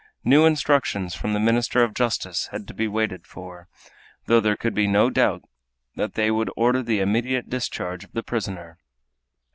New instructions from the minister of justice had to be waited for, though there could be no doubt that they would order the immediate discharge of the prisoner.